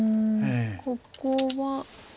ここは。